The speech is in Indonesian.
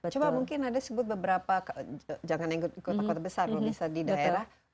coba mungkin ada sebut beberapa jangan ikut kota kota besar kalau bisa di daerah